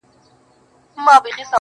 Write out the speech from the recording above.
اوس يې صرف غزل لولم، زما لونگ مړ دی.